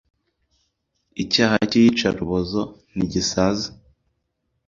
Icyaha cyi yica rubozo ntigisaza